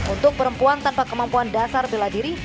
untuk perempuan tanpa kemampuan dasar bela diri